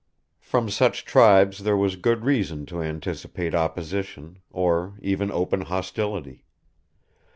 From such tribes there was good reason to anticipate opposition, or even open hostility.